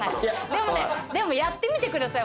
でもねやってみてください